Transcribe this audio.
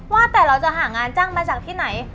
ว่าแต่เราจะหางานจ้างมาจากที่ไหน